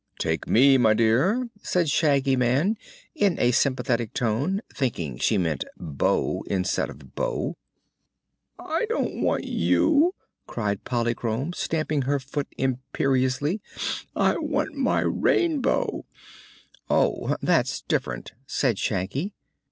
"Take me, my dear," said Shaggy Man in a sympathetic tone, thinking she meant "beau" instead of "bow." "I don't want you!" cried Polychrome, stamping her foot imperiously; "I want my _Rain_bow." "Oh; that's different," said Shaggy.